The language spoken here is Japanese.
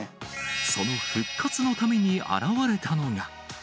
その復活のために現れたのが。